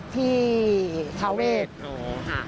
ที่ทาเวกโอ้โหค่ะทาเวกโอ้โหค่ะ